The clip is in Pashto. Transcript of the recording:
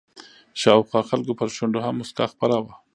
شاوخوا خلکو پر شونډو هم مسکا خپره وه.